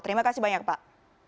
terima kasih banyak pak